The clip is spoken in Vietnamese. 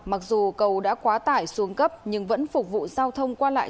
mặc dù cầu đã quá tải xuống cấp nhưng vẫn phục vụ giao thông qua lại